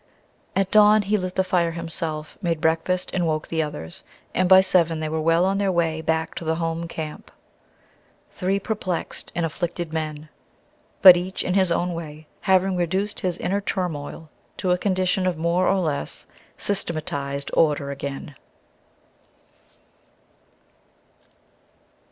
At dawn he lit the fire himself, made breakfast, and woke the others, and by seven they were well on their way back to the home camp three perplexed and afflicted men, but each in his own way having reduced his inner turmoil to a condition of more or less systematized order again.